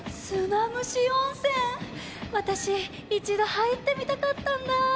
わたしいちどはいってみたかったんだ。